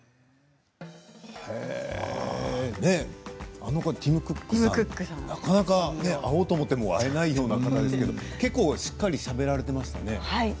あのティム・クックさん会おうと思っても会えないような人ですけれど結構しっかりしゃべられていましたね。